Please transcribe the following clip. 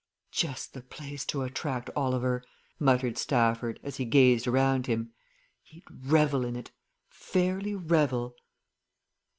"Just the place to attract Oliver!" muttered Stafford, as he gazed around him. "He'd revel in it fairly revel!"